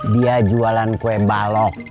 dia jualan kue balok